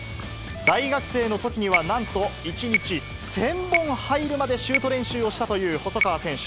大学生のときには、なんと１日１０００本入るまでシュート練習をしたという細川選手。